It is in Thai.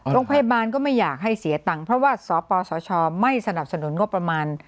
โรงพยาบาลก็ไม่อยากให้เสียตังค์เพราะว่าสปสชไม่สนับสนุนงบประมาณ